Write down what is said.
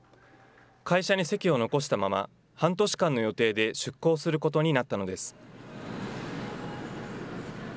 会社に籍を残したまま、半年間の予定で出向することになったのです。